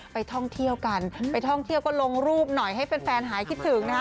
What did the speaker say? ไปท่องเที่ยวกันไปท่องเที่ยวก็ลงรูปหน่อยให้แฟนหายคิดถึงนะฮะ